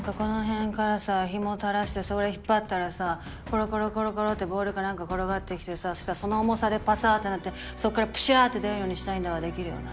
なんヒモを垂らしてそれ引っ張ったらさコロコロコロコロってボールかなんか転がってきてさそしたらその重さでパサってなってそこからプシャって出るようにしたいんだわできるよね？